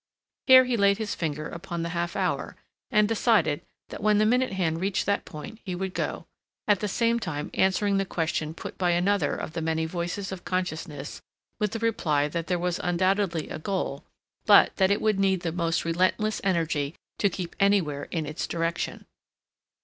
Here he laid his finger upon the half hour, and decided that when the minute hand reached that point he would go, at the same time answering the question put by another of the many voices of consciousness with the reply that there was undoubtedly a goal, but that it would need the most relentless energy to keep anywhere in its direction.